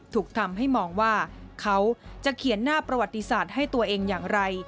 ถูกทำให้มองว่าเขาจะเขียนหน้าประวัติศาสตร์ให้ตัวเองอย่างไร